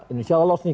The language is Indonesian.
indonesia lolos nih